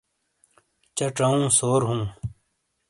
چہ ڇَؤوں سورہُوں۔